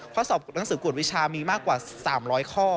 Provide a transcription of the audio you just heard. สอบหนังสือกวดวิชามีมากกว่า๓๐๐ข้อ